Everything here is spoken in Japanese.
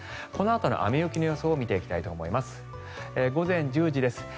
このあとの雨雪の予想を見ていきたいと思います。